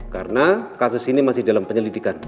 karena kasus ini masih dalam penyelidikan